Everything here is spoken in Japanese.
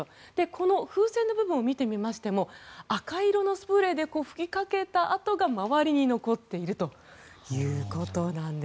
この風船の部分を見てみましても赤色のスプレーで吹きかけた跡が周りに残っているということです。